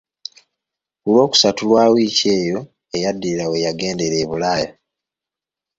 Ku Lwokusatu lwa wiiki eyo eyaddirira we yagendera e bulaaya.